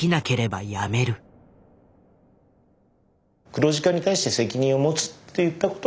黒字化に対して責任を持つって言ったことがですね